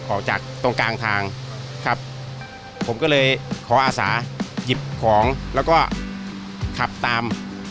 ออกจากตรงกลางทางครับผมก็เลยขออาสาหยิบของแล้วก็ขับตาม